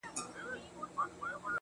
له خدای وطن سره عجیبه مُحبت کوي.